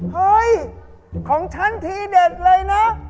เฮ้ยของฉันทีเด็ดเลยนะ